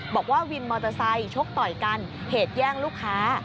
บอกว่าวินมอเตอร์ไซค์ชกต่อยกันเหตุแย่งลูกค้า